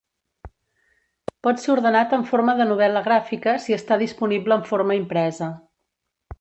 Pot ser ordenat en forma de novel·la gràfica si està disponible en forma impresa.